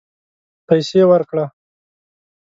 پیسې ورکړه